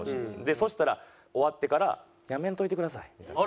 そしたら終わってから「やめんといてください」みたいな。